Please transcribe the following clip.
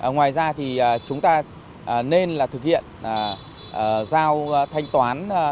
ngoài ra thì chúng ta nên là thực hiện giao thanh toán